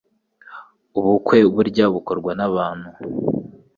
Ubukwe burya bukorwa nabantu